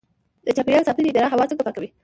د چاپیریال ساتنې اداره هوا څنګه پاکوي؟